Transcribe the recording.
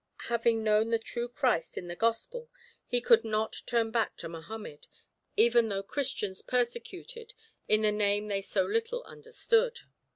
Having known the true Christ in the Gospel, he could not turn back to Mohammed, even though Christians persecuted in the Name they so little understood.